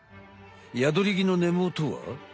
ヤドリギの根もとは。